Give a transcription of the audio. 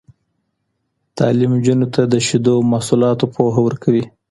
تعلیم نجونو ته د شیدو محصولاتو پوهه ورکوي.